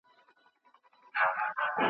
که مهارت وي نو کار نه خرابیږي.